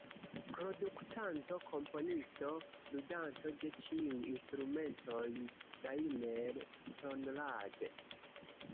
Produktanto, komponisto, ludanto de ĉiuj instrumentoj: Rainer Conrad.